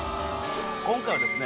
今回はですね